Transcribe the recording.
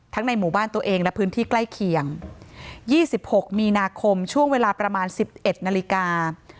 ในหมู่บ้านตัวเองและพื้นที่ใกล้เคียง๒๖มีนาคมช่วงเวลาประมาณ๑๑นาฬิกา